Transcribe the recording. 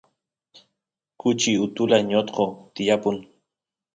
kuchi utula ñotqo tiyapun